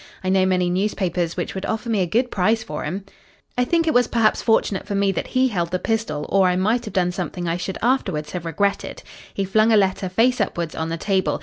'I know many newspapers which would offer me a good price for 'em.' "I think it was perhaps fortunate for me that he held the pistol or I might have done something I should afterwards have regretted. He flung a letter face upwards on the table.